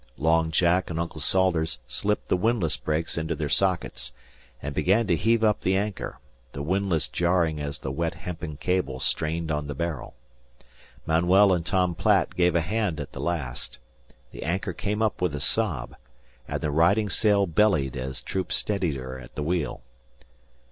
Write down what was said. Long Jack and Uncle Salters slipped the windlass brakes into their sockets, and began to heave up the anchor; the windlass jarring as the wet hempen cable strained on the barrel. Manuel and Tom Platt gave a hand at the last. The anchor came up with a sob, and the riding sail bellied as Troop steadied her at the wheel.